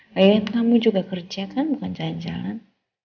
kayaknya kamu juga kerja kan bukan jalan jalan